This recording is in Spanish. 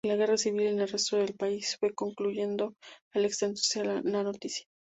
La guerra civil en el resto del país fue concluyendo al extenderse la noticia.